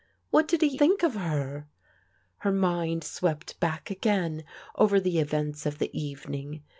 What did he think of her? Her mind swept back again over the events of the evening.